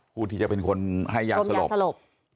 ผู้ที่จะเป็นคนให้ยาสลบสลบ